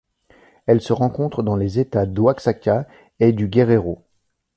Elle se rencontre dans les États d'Oaxaca et du Guerrero.